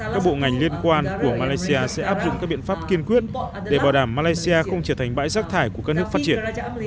các bộ ngành liên quan của malaysia sẽ áp dụng các biện pháp kiên quyết để bảo đảm malaysia không trở thành bãi rác thải của các nước phát triển